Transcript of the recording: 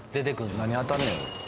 何当たんねやろ？